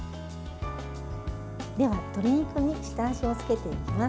では鶏肉に下味をつけていきます。